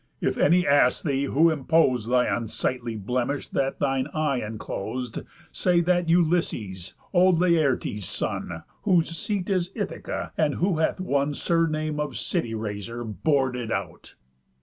if any ask thee, who impos'd Th' unsightly blemish that thine eye enclos'd, Say that Ulysses, old Laertes' son, Whose seat is Ithaca, and who hath won Surname of City razer, bor'd it out.